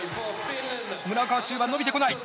村岡は中盤伸びてこない。